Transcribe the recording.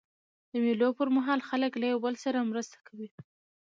د مېلو پر مهال خلک له یوه بل سره مرسته کوي.